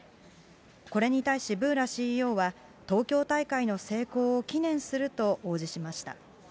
これに対しブーラＣＥＯは、東京大会の成功を祈念すると応じました。